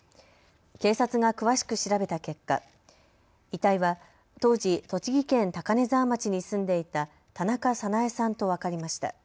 警察が詳しく調べた結果、遺体は当時、栃木県高根沢町に住んでいた田中早苗さんと分かりました。